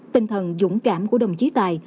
tinh thần dũng cảm của đồng chí tài